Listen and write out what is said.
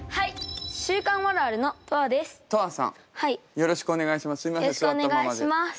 よろしくお願いします。